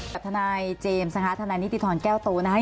กับทนายเจมส์ทนายนิติธรแก้วตัวนะคะ